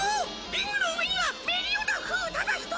リングの上にはメリオダフただ一人。